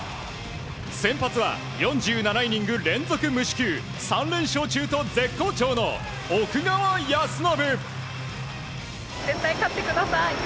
先発は４７イニング連続無四球３連勝中と絶好調の奥川恭伸。